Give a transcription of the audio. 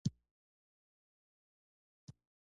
له ادبي پلوه یې هم خوند دا دی.